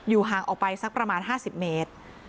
อยู่ห่างออกไปสักประมาณห้าสิบเมตร